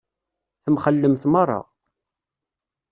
Temxellemt meṛṛa.